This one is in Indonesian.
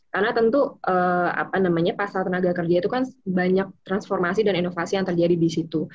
karena tentu pasal tenaga kerja itu kan banyak transformasi dan inovasi yang terjadi di situ